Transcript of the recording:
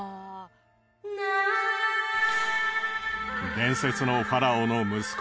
伝説のファラオの息子